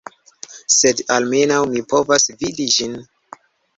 Sed almenaŭ mi povas vidi ĝin